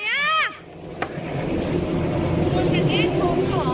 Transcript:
ช้อนของ